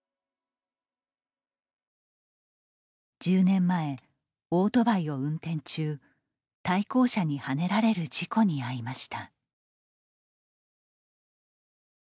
１０年前、オートバイを運転中対向車にはねられる事故に遭いました。